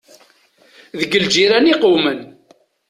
Deg lǧiran i qewmen.